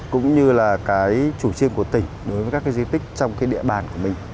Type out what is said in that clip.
chủ chiên của tỉnh đối với các di tích trong địa bàn của mình